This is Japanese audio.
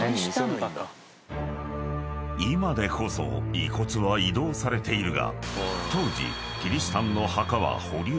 ［今でこそ遺骨は移動されているが］